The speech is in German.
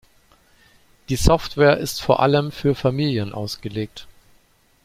Die Software ist vor allem für Familien ausgelegt.